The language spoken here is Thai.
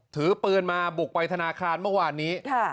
ถือปืนมาบุกไปธนาคารเมื่อวานนี้